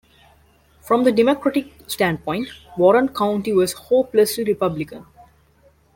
From the Democratic standpoint, Warren County was hopelessly Republican.